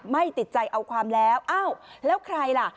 ไม่ติดใจเอาความแล้วอ้าวแล้วใครล่ะ